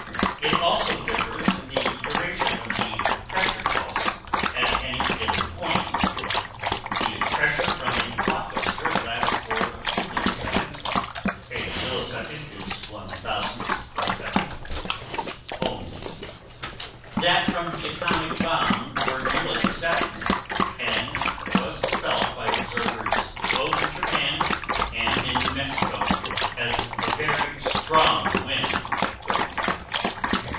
It also differs in the duration of the pressure pulse at any given point: the pressure from a blockbuster lasts for a few milliseconds (a millisecond is one thousandth of a second) only, that from the atomic bomb for nearly a second, and was felt by observers both in Japan and in New Mexico as a very strong wind going by.